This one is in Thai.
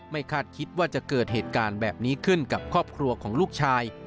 คาดคิดว่าจะเกิดเหตุการณ์แบบนี้ขึ้นกับครอบครัวของลูกชาย